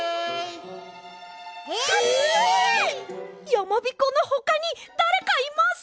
やまびこのほかにだれかいます！